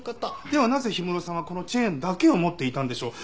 ではなぜ氷室さんはこのチェーンだけを持っていたんでしょう？